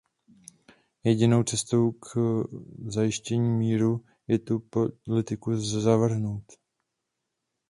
Jedinou cestou k zajištění míru je tuto politiku zavrhnout.